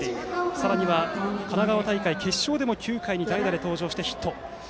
さらに、神奈川大会決勝でも９回、代打で登場してヒット。